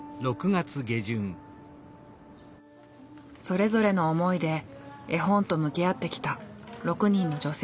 それぞれの思いで絵本と向き合ってきた６人の女性たち。